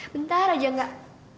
bentar aja gak